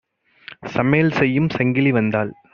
சமையல் செய்யும் சங்கிலி வந்தாள்!